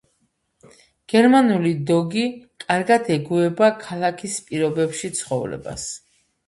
გერმანული დოგი კარგად ეგუება ქალაქის პირობებში ცხოვრებას.